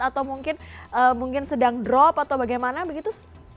atau mungkin sedang drop atau bagaimana begitu